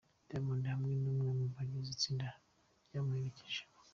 Diamond hamwe n'umwe mu bagize itsinda ryamuherekeje.